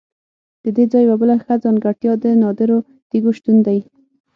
ددې ځای یوه بله ښه ځانګړتیا د نادرو تیږو شتون دی.